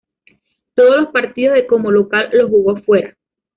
Todos los partidos de como local los jugó fuera.